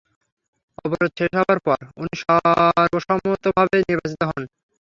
অবরোধ শেষ হওয়ার পর, উনি সর্বসম্মতভাবে নির্বাচিত হোন।